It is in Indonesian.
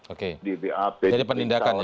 oke jadi penindakan ya